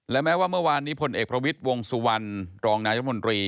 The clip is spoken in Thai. และแม้ว่าเมื่อวานนี้พลเอกประวิทย์วงสุวรรณรองนายรัฐมนตรี